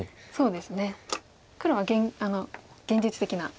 黒は現実的な。